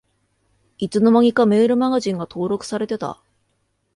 いつの間にかメールマガジンが登録されてた